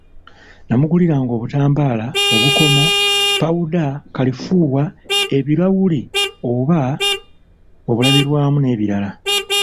Namuguliranga obutambaala, obukomo, ppawuda, kalifuuwa, ebirawuli oba obulabirwamu n'ebirala.